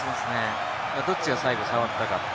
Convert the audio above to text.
どっちが最後、差があったか。